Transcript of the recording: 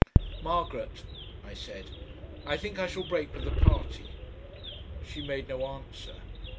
"Margaret," I said, "I think I shall break with the party." She made no answer.